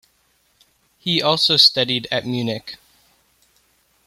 He also studied at Munich.